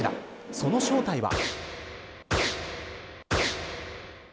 その正体は。